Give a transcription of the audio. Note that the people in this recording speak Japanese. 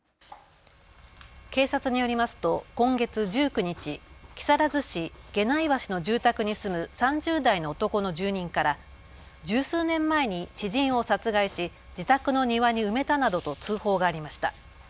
警察によりますと今月１９日、木更津市下内橋の住宅に住む３０代の男の住人から十数年前に知人を殺害し自宅の庭に埋めたなどと通報がありました。